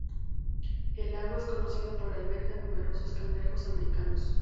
El lago es conocido por albergar numerosos cangrejos americanos.